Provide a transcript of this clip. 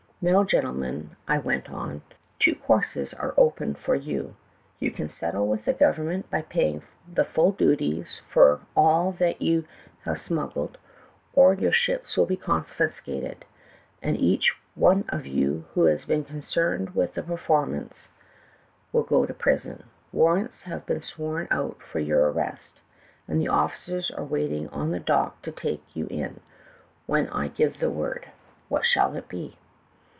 " 'Now, gentleman,' I went on, 'two courses are open for you: You can settle with the govern ment by paying the full duties for all that you have smuggled, or your ships will be confiscated, and each one of you who has been concerned in the performance will go to prison. Warrants have been sworn out for your arrest, and the officers are waiting on the dock to take you in, when I give the word. What shall it be